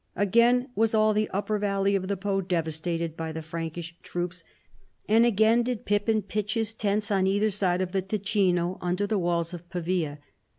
Again was all the upper valle}'^ of the Po devastated by the Frank ish troops, and again did Pippin pitch his tents on either side of tlie Ticino under the walls of Pavia.